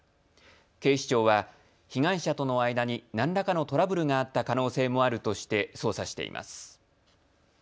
警視庁は被害者との間に、何らかのトラブルがあった可能性もあるとして捜査しています。